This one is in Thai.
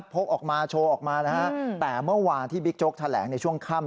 พกออกมาโชว์ออกมานะฮะแต่เมื่อวานที่บิ๊กโจ๊กแถลงในช่วงค่ำ